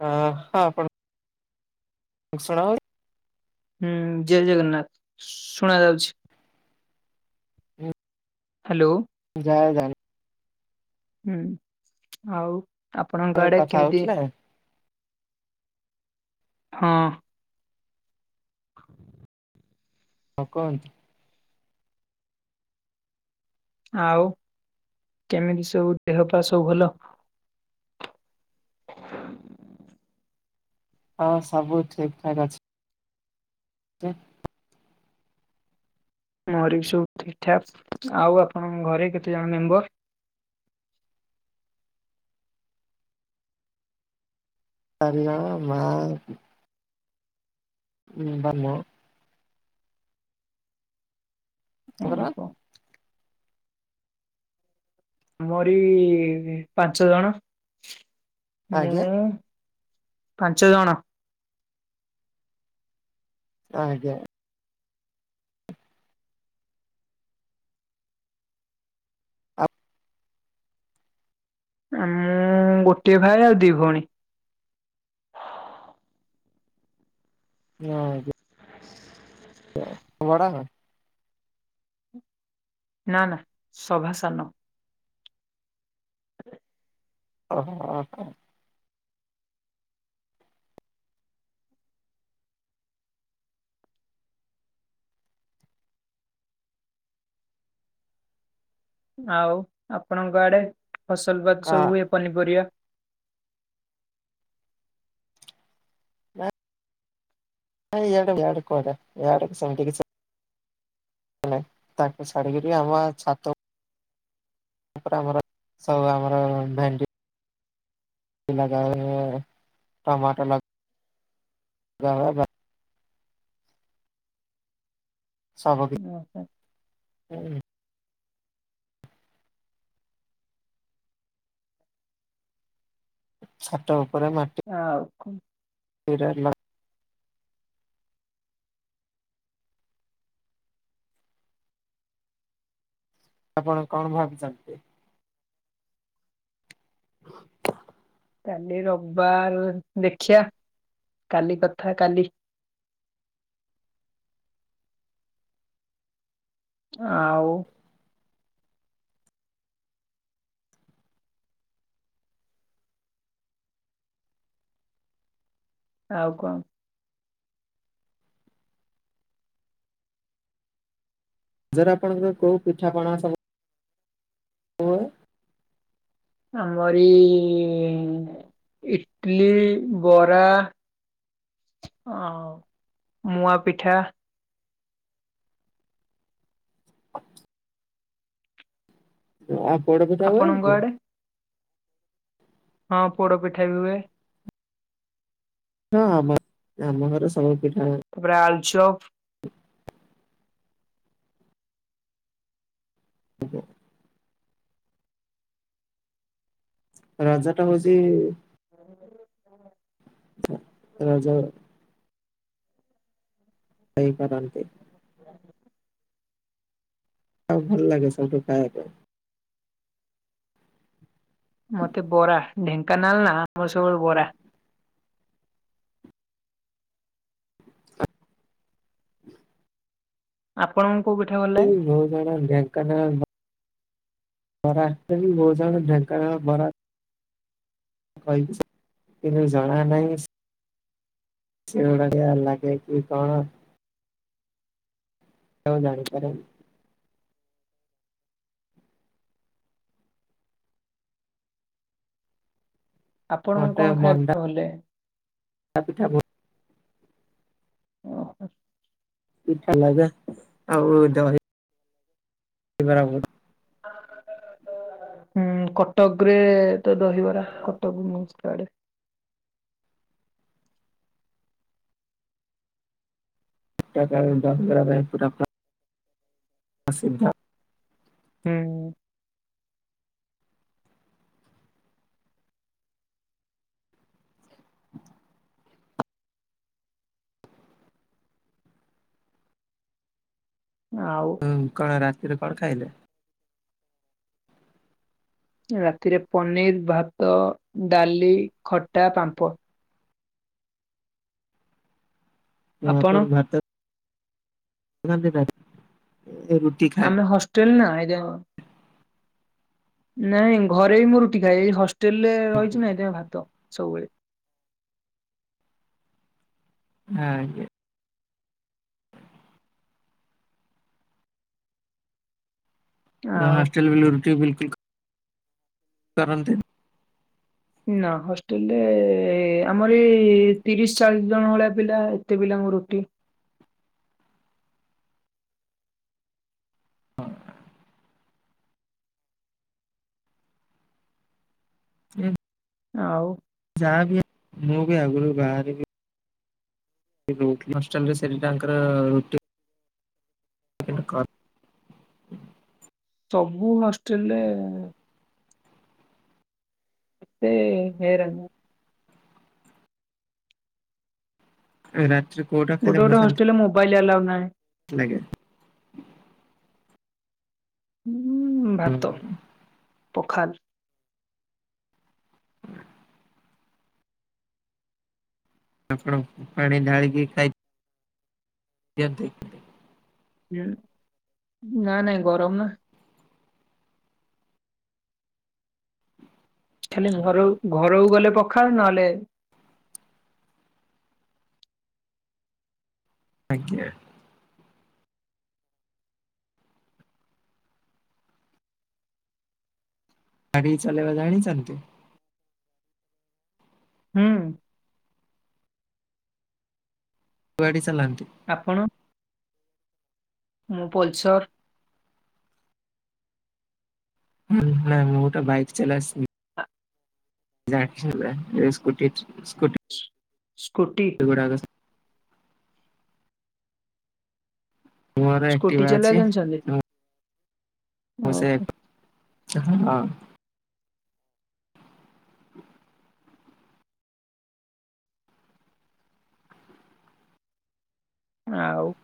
ହ ହଁ ଆପଣ ଶୁଣା ହଉନି। ହୁଁ ଜୟ ଜଗନ୍ନାଥ ଶୁଣା ଯାଉଛି। ହୁଁ। ହ୍ୟାଲୋ। ଯା ଜାଣେ ହୁଁ ଆଉ ଆପଣଙ୍କ ଆଡେ କଥା କେମିତି ହଉଥିଲେ ହଁ ହଁ। ହଉ କହ। ଆଉ କେମିତି ସବୁ ଦେହ ପା ସବୁ ଭଲ। ହ। ହଁ ସବୁ ଠିକ ଠାକ୍ ଅଛି। [unintelligible] ମରିବି ସବୁ ଠିକ ଠାକ୍ ଆଉ ଆପଣଙ୍କ ଘରେ କେତେ ଜଣ ମେମ୍ବର? ଚାରିଜଣ ଆଉ ମା ହୁଁ ବଲୁ। ସେଇ ପରା। ଆମରି ଆମରି ପାଞ୍ଚ ଜଣ, ଆଜ୍ଞା ମୁଁ। ପାଞ୍ଚ ଜଣ। ଆଜ୍ଞା। ଆ ମୁଁ ଗୋଟିଏ ଭାଇ ଆଉ ଦି ଭଉଣୀ। ହଁ, ଆଜ୍ଞା। ତୁ ବଡ଼ା ନା। ନା ନା ସଭା ସାନ। ହ। ଓ ହୋ ହ ହୋ। ଆଉ ଆପଣଙ୍କ ଆଡେ ଫସଲ ବାତ ହଁ ସବୁ ହୁଏ। ପନିପରିବା। ଆଡକ କଡଡିତି [unintelligible] ତାକୁ ଛାଡିକରି ଆମ ଛାତ ତାପରେ ଆମର ସବୁ ଆମର ଭେଣ୍ଡି। ଲଗାହୁଏ ଟମାଟର ଲ ଗା ହୁଏ ସବ କି ହଁ [unintelligible] ଛଟ ଉପରେ ମାଟି। ହଉ କ ଫରେଲା [inaudible] ଆପଣ କଣ ଭାବିଛନ୍ତି? ହ। କାଲି ରବିବାର ଦେଖିବା। କାଲି କଥା କାଲି। ଆଉ। ଆଉ କଣ? ଜରେ ଆପଣଙ୍କର କଉ ପିଠାପଣା ସବୁ। ହଁ। ଆମରି ଇଟଲିି, ବରା। ଆଉ ମୁଆଁ ପିଠା। ଆଉ ପୋଡ଼ପିଠା ହୁଏନି ଆପଣଙ୍କ କି? ଆଡେ ହଁ ପୋଡ଼ ପିଠା ବି ହୁଏ। ହଁ ଆମ ଆମ ଘରେ ସବୁ ପିଠା ହୁଏ। ତାପରେ ଆଳୁଚପ୍। [inaudible] ଆଜ୍ଞା। ରାଜଟା ହଉଛି। [unintelligible] ରଜମା। ଏଇ କରନ୍ତି। [inaudible] ଆଉ ଭଲ ଲାଗେ ସବୁଠୁ ଖାଇବା ପାଇଁ। ମତେ ବରା ଢେଙ୍କାନାଳ ନା ଆମର ସବୁବେଳେ ବରା। ଆପଣଙ୍କୁ କୋଉ ପିଠା ଭଲ ହୁଁ ଲାଗେ ମୋ ଘର ଢେ ଙ୍କାନାଳ ବ ବରା ଅଚୁଏଲି ମଉସାଙ୍କ ଢେଙ୍କାନାଳ ବରା [unintelligible] ସେଗୁଡ଼ାକ ଲାଗେ କି କଣ? କେଉ ଜାଣି ପାରନ୍ତି। ଆପଣଙ୍କୁ କଣ ଖାଇବା ଭଲ ଲାଗେ? ସା ପିଠା ବହୁ ଓ ହୋ। [unintelligible] ଲାଗେ ଆଉ ଦହି ବରା ବହୁ ହୁଁ କଟକ ରେ ତ ଦହିବରା [unintelligible] ଟକ ଦହିବରା ରେ ପୁରା ଫେ ପସିଦ୍ଧ। ହୁଁ। [inaudible] ଆଉ ହୁଁ କଣ ରାତିରେ କଣ ଖାଇଲେ? ରାତିରେ ପନିର୍ ଭାତ ଡାଲି ଖଟା ପାମ୍ପ ଆପଣ [unintelligible] [unintelligible] ରୁଟି। ଖାଏ। ହଷ୍ଟେଲ ନା ଏଇଠି ଆମ ନାଇଁ ଘରେ ବି ମୁଁ ରୁଟି ଖାଏ ଏଇ ହଷ୍ଟେଲରେ ରହିଛି ନା ଏଇଥି ପାଇଁ ଭାତ ସବୁବେଳେ। [unintelligible] ଆଉ ହଷ୍ଟେଲ୍ ଗଲେ ରୁଟି ବିଲ୍ କୁଲ୍ ଖା କରନ୍ତି। ନା ହଷ୍ଟେଲ ରେ ଆମର ଏ ତିରିଶ ଚାଳିଶ ଜଣ ଭଳିଆ ପିଲା ଏତେ ପିଲାଙ୍କୁ ରୁଟି ହଁ। [unintelligible] ଆଉ ଯାହାବି ମୁଁ ବି ଆଗୁରୁ ବାହାରିବି। [unintelligible] ହଷ୍ଟେଲରେ ସେ ବି ତାଙ୍କର କେନ କ। ସବୁ ହଷ୍ଟେଲରେ ସେ। [unintelligible] ଏ ରାଜୁ ପୁଅଟା ଗୋଟେ ଗୋଟେ ହଷ୍ଟେଲରେ ମୋବାଇଲ ଆଲାଉ ନାହିଁ। ଦେଖେ ଉଁ ଭାତ ପଖାଲ୍। ଆପଣ ପାଣି ଢାଳିକି ଖାଇ ଦିଅନ୍ତି? ଉଁ ନା ନାଇଁ ଗରମ ନା। ଖାଲି ଘରୁକୁ ଘରକୁ ଗଲେ ପଖାଳ ନହେଲେ ଆଜ୍ଞା। ଗାଡି ଚଲେଇବା ଜାଣିଛନ୍ତି? ହୁଁ। ଗାଡ଼ି ଚଲାନ୍ତି। ଆପଣ, ମୁଁ ପଲସର୍। [inaudible] ମୁଁ ତ ବାଇକ୍ ଚଲା ସି [unintelligible] ସ୍କୁଟି [unintelligible] ସ୍କୁଟି। [inaudible] ସ୍କୁଟି। ଗୋଡ଼ ଘସ୍। ମୋର ସ୍କୁଟି ଆକ୍ଟିଭା ଚଲେଇବା ଅଛି। ଜାଣିଛନ୍ତି? ମୁ ସେ ଓହୋ ହଁ। ଆଉ ହ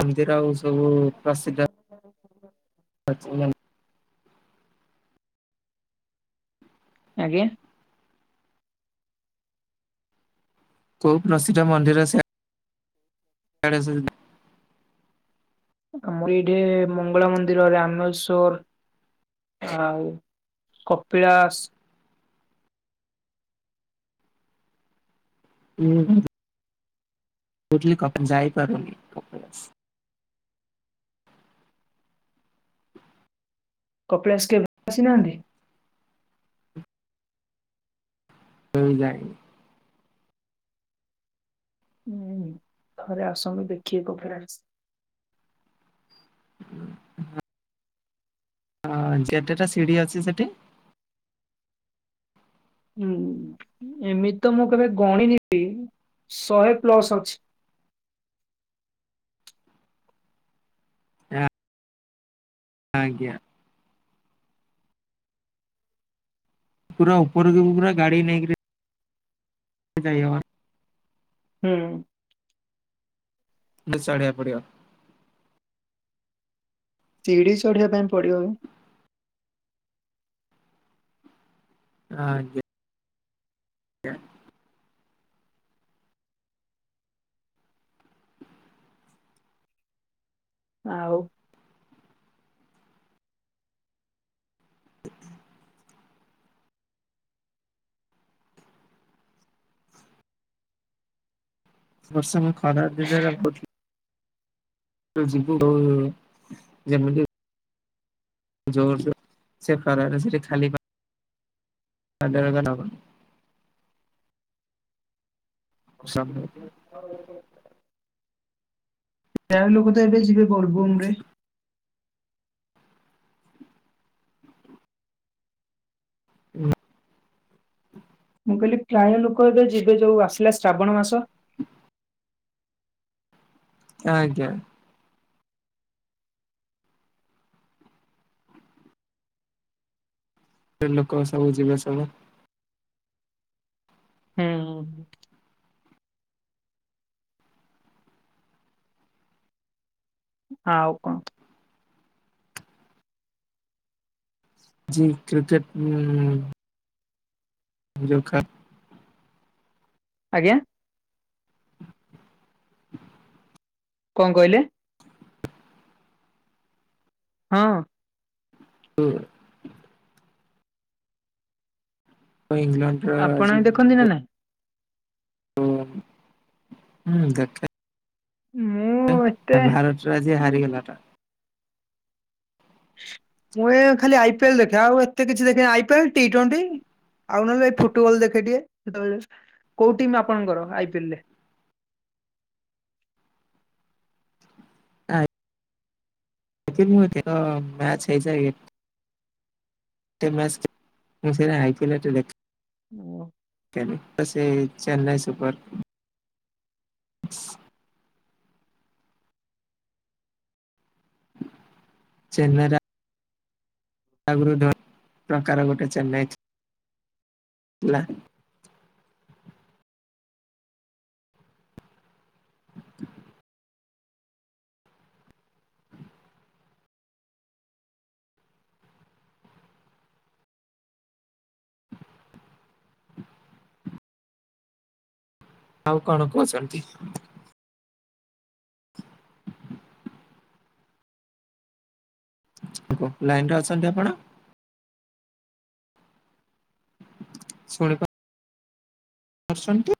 ଆମ୍ ତିର ଆଉ ସବୁ ପ୍ରସିଦ୍ଧ। [unintelligible] ଆଜ୍ଞା। କୋଉ ପ୍ରସିଦ୍ଧ ମନ୍ଦିର ସେ ଆଡେ ସବୁ? ଆମର ଏଇଠି ମଙ୍ଗଳା ମନ୍ଦିର, ରାମେଶ୍ଵର ଆଉ କପିଳାସ୍। ଉଁ ହୁଁ। କହୁଥିଲି କପିନ୍ ଯାଇପାରୁନି। କପିଳାସ୍ କେବେ ଆସିନାହାନ୍ତି? [unintelligible] ଯାଇନି। ହୁଁ। ଥରେ ଆସନ୍ତୁ ଦେଖିକ। [unintelligible] [inaudible] ହଁ ଯେତେଟା ସିଡି ଅଛି ସେଠିି ହୁଁ ଏମିତି ତ ମୁଁ କେବେ ଗଣିନି ବି ଶଏ ପ୍ଲସ ଅଛି। [unintelligible] ଆଜ୍ଞା। ପୁରା ଉପରକୁ ପୁରା ଗାଡି ନେଇକିରି ଯାଇହବ। ହୁଁ। ଚଢଆକ ପଡିବ। ଚିଡି ଚଢିଆ ପାଇଁ ପଡିବ। ଆଜ୍ଞା ଆଜ୍ଞା ଆଉ ବର୍ଷା ନାଇଁ ଖରାରେ ଦିନରେ ପଚୁ ଯିବୁ ଓ ଯେମିତି ଜୋରସେ ସେ ଖରାରେ ସେଠି ଖାଲି ପା ପାଦରେ [unintelligible] ସବୁ [unintelligible] ପ୍ରାୟ ଲୋକ ତ ଏବେ ଯିବେ ବୋଲବମ୍ ରେ। ହୁଁ ମୁଁ କହିଲି ପ୍ରାୟ ଲୋକ ଏବେ ଯିବେ ଯୋଉ ଆସିଲା ଶ୍ରାବଣ ମାସ ଆଜ୍ଞା ଏବେ ଲୋକ ସବୁ ଯିବେ ସବୁ। ହୁଁ, ହୁଁ ଆଉ କଂ? ଯି କ୍ରିକେଟ ଉଁ ଯୋଉ ଖା ଆଜ୍ଞା କଂ କହିଲେ? ହଁ ଉ ଇଂଲଣ୍ଡ ଆପଣ ବି ଦେଖନ୍ତି ନା ନାଇଁ? ହୁଁ- -ହୁଁ ଦେଖେ। ମୁଁ ଏଁ ଏତେ ଭାରତ ଚୁଆ ଆଜି ମୁଁ ହାରିଗଲା ଟ। ମୁଁ ଏ ଖାଲି ଆଇପିଏଲ୍ ଦେଖେ ଆଉ ଏତେ କିଛି ଦେଖେ ଆଇପିଏଲ ଟିଟ୍ବଣ୍ଟି। ଆଉ ନହେଲେ ଏ ଫୁଟବଲ ଦେଖେ ଟିକେ କେତେବେଳେ କୋଉ ଟିମ୍ ଆପଣଙ୍କର ଆଇପିଏଲ ରେ? ଆ [unintelligible] ମୁଁ ଏକେ ତ ମ୍ୟାଚ ହେଇଯାଏ। ଟେ ମ୍ୟାଚ୍ ମୁଁ [unintelligible] ଆଇପିଏଲ୍ ଟିକେ ଦେଖ। ଓ ସେ ଚେନ୍ନାଇ ସୁପର। ସି ଚେନ୍ନାଇରା- - ଆଗୁରୁ ଢ ଟଙ୍କାର ଗୋଟେ ଚେନ୍ନାଇଚି ହେଲା। ଆଉ କଣ କୁହ ସେମତି? ପ ପୁ ଲାଇନରେ ଅଛନ୍ତି ଆପଣ? ଶୁଣପା ପାରୁସନ୍ତି।